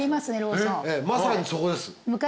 まさにそこです。